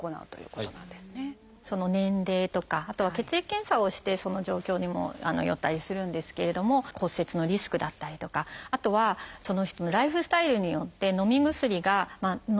年齢とかあとは血液検査をしてその状況にもよったりするんですけれども骨折のリスクだったりとかあとはその人のライフスタイルによってのみ薬がのめない人。